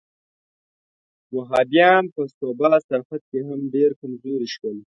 وهابیان په صوبه سرحد کې هم ډېر کمزوري شول.